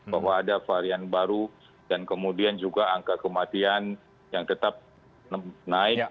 bahwa ada varian baru dan kemudian juga angka kematian yang tetap naik